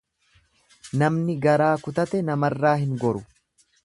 Namni garaa kutate namarraa hin goru.